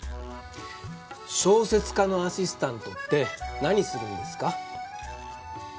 小説家のアシスタントって何するんですか？